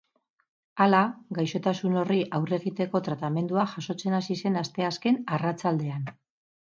Hala, gaixotasun horri aurre egiteko tratamendua jasotzen hasi zen asteazken arratsaldean.